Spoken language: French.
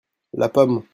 La pomme.